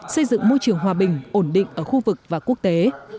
xây dựng môi trường hòa bình ổn định ở khu vực và quốc tế